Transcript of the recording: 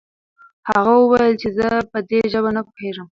هغه وويل چې زه په دې ژبه نه پوهېږم.